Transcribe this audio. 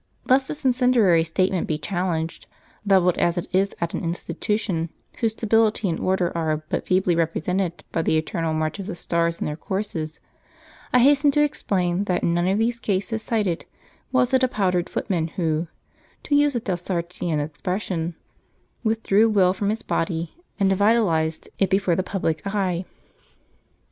Lest this incendiary statement be challenged, levelled as it is at an institution whose stability and order are but feebly represented by the eternal march of the stars in their courses, I hasten to explain that in none of these cases cited was it a powdered footman who (to use a Delsartean expression) withdrew will from his body and devitalised it before the public eye.